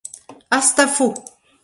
Hastafo !